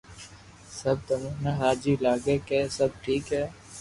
سب تمو نو راجي لاگي ڪي سب ٺيڪ ھي